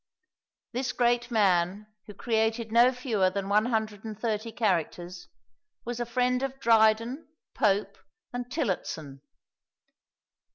This great man, who created no fewer than 130 characters, was a friend of Dryden, Pope, and Tillotson.